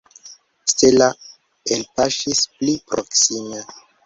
Stella elpaŝis pli proksime.